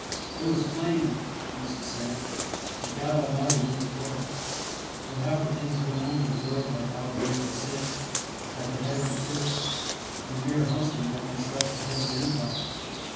"It was plain," he used to say, "that God Almighty ruled the world, or how could things go on with a rogue like Alexander VI. at the head of the Church, and a mere huntsman like himself at the head of the Empire."